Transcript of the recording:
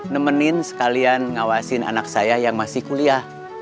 nemenin sekalian ngawasin anak saya yang masih kuliah